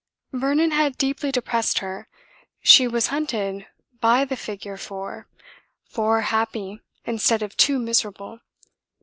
Vernon had deeply depressed her. She was hunted by the figure 4. Four happy instead of two miserable.